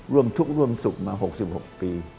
ร่วมทุกข์ร่วมสุขมา๖๖ปี